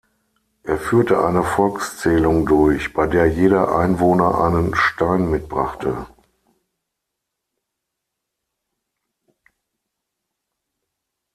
Er führte eine Volkszählung durch, bei der jeder Einwohner einen Stein mitbrachte.